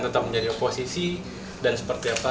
tetap menjadi oposisi dan seperti apa